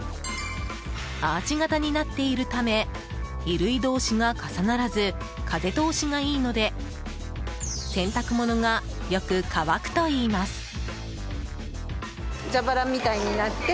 アーチ型になっているため衣類同士が重ならず風通しがいいので洗濯物がよく乾くといいます。